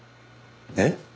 えっ？